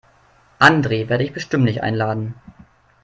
Andre werde ich bestimmt nicht einladen.